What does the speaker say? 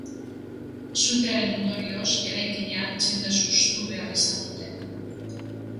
Sutearen ondorioz, eraikina jendez hustu behar izan dute.